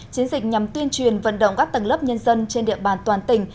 chiến dịch nhằm tuyên truyền vận động các tầng lớp nhân dân trên địa bàn toàn tỉnh